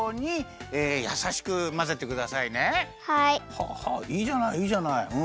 はあはあいいじゃないいいじゃないうん。